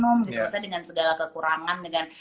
terusnya dengan segala kekurangan dengan